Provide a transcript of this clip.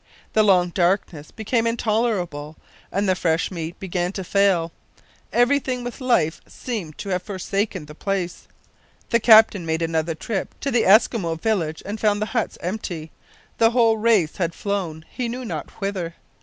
The long darkness became intolerable and the fresh meat began to fail. Everything with life seemed to have forsaken the place. The captain made another trip to the Eskimo village and found the huts empty the whole race had flown, he knew not whither!